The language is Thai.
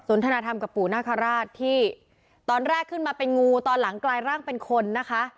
ธนธรรมกับปู่นาคาราชที่ตอนแรกขึ้นมาเป็นงูตอนหลังกลายร่างเป็นคนนะคะ